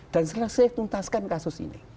dan setelah saya menuntaskan kasus ini